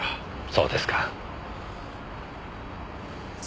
そうですか。